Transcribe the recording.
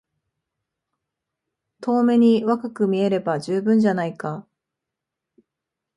遠目に若く見えれば充分じゃないか。